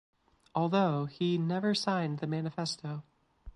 Although he never signed the manifesto.